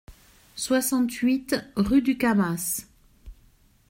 soixante-huit rue du Cammas